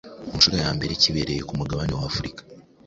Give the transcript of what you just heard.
ku nshuro ya mbere kibereye ku mugabane w’Afurika,